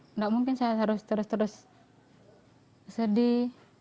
tidak mungkin saya harus terus terus sedih